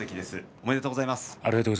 おめでとうございます。